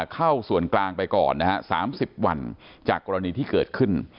เข้าส่วนกลางไปก่อนนะฮะ๓๐วันจากกรณีที่เกิดขึ้น